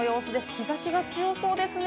日差しが強そうですね。